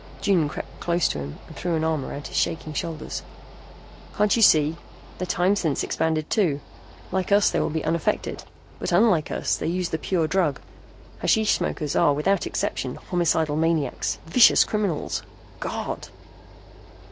June crept close to him and threw an arm around his shaking shoulders. "Can't you see? Their time sense expanded too. Like us they were unaffected. But unlike us they use the pure drug. Hashish smokers are without exception homicidal maniacs, vicious criminals. God!"